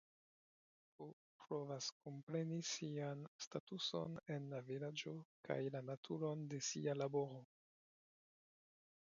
K. provas kompreni sian statuson en la vilaĝo kaj la naturon de sia laboro.